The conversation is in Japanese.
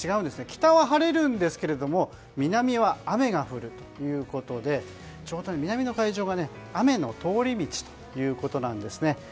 北は晴れるんですが南は雨が降るということでちょうど南の海上が雨の通り道ということですね。